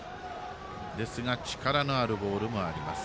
ですが力のあるボールもあります。